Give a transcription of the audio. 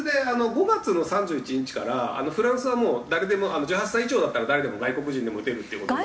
５月の３１日からフランスはもう誰でも１８歳以上だったら誰でも外国人でも打てるっていう事に。